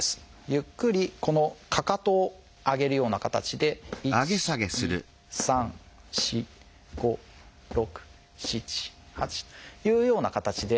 ゆっくりこのかかとを上げるような形で１２３４５６７８というような形で。